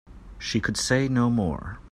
She could say no more.